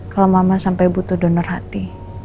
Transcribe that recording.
kalau mama sampai butuh donor hati